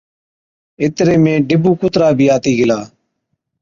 اِتري ۾ ڊبُو ڪُترا بِي آتِي نِڪرلا۔